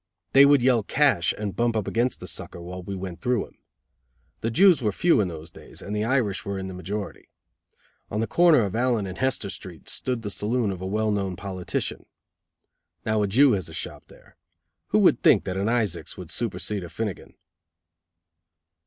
They would yell "cash" and bump up against the sucker, while we went through him. The Jews were few in those days, and the Irish were in the majority. On the corner of Allen and Hester Streets stood the saloon of a well known politician. Now a Jew has a shop there. Who would think that an Isaacs would supersede a Finnigan?